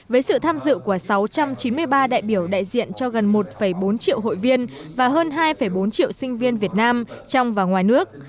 với sự tham dự của sáu trăm chín mươi ba đại biểu đại diện cho gần một bốn triệu hội viên và hơn hai bốn triệu sinh viên việt nam trong và ngoài nước